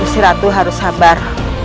gusti ratu harus sabar